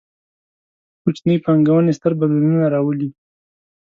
کوچنۍ پانګونې، ستر بدلونونه راولي